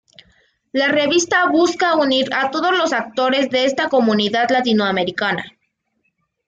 La Revista busca unir a todos los actores de esta comunidad latinoamericana.